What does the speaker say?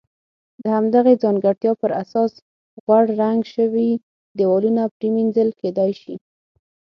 د همدغې ځانګړتیا پر اساس غوړ رنګ شوي دېوالونه پرېمنځل کېدای شي.